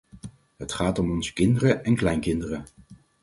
Het gaat om onze kinderen en kleinkinderen.